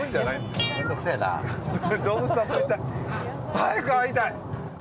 早く会いたい！